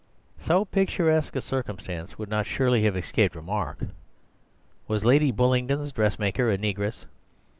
So picturesque a circumstance would not surely have escaped remark. Was Lady Bullingdon's dressmaker a negress?